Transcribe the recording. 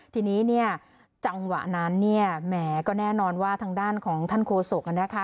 ทีนี้เนี่ยจังหวะนั้นเนี่ยแหมก็แน่นอนว่าทางด้านของท่านโฆษกนะคะ